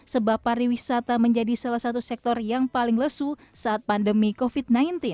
sebab pariwisata menjadi salah satu sektor yang paling lesu saat pandemi covid sembilan belas